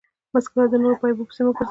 هېڅکله د نورو په عیبو پيسي مه ګرځه!